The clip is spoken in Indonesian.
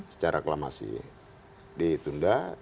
secara aklamasi ditunda